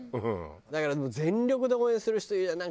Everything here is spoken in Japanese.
だから全力で応援する人いるじゃん。